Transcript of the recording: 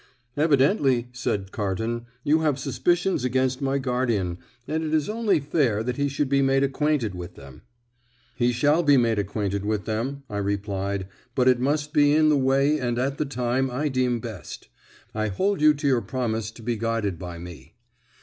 "Evidently," said Carton, "you have suspicions against my guardian, and it is only fair that he should be made acquainted with them." "He shall be made acquainted with them," I replied, "but it must be in the way and at the time I deem best. I hold you to your promise to be guided by me."